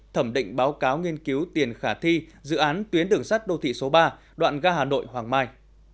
thẩm định báo cáo nghiên cứu tiền khả thi dự án tuyến đường sắt đô thị số ba đoạn ga hà nội hoàng mai